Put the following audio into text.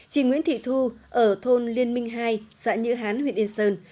chị nguyễn thị thu ở thôn liên minh hai xã nhữ hán huyện yên sơn